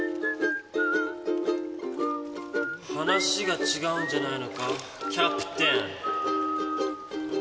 話が違うんじゃないのかキャプテン。